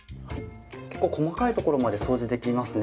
結構細かい所まで掃除できますね。